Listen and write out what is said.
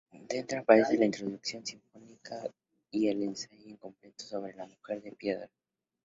Dentro, aparece la "Introducción sinfónica" y el ensayo incompleto sobre "La mujer de piedra".